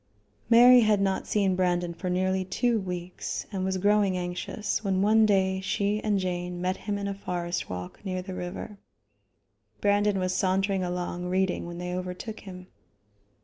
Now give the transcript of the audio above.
Mary had not seen Brandon for nearly two weeks, and was growing anxious, when one day she and Jane met him in a forest walk near the river. Brandon was sauntering along reading when they overtook him.